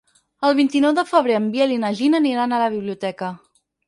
El vint-i-nou de febrer en Biel i na Gina aniran a la biblioteca.